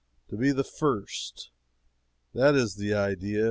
To be the first that is the idea.